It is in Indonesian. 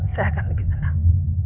saya akan lebih tenang